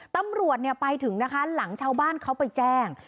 ตำรวจไปถึงนะคะหลังชาวบ้านเขาไปแจ้ง